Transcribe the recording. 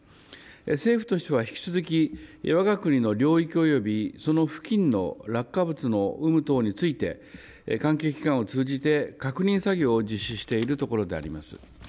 政府としては引き続き、わが国の領域およびその付近の落下物の有無等について、関係機関を通じて確認作業を実施しているところであります。